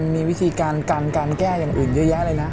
มีวิธีการกันการแก้อย่างอื่นเยอะแยะเลยนะ